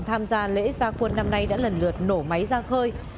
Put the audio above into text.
tham gia lễ gia quân năm nay đã lần lượt nổ máy ra khơi